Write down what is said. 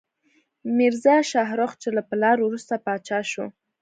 میرزا شاهرخ، چې له پلار وروسته پاچا شو.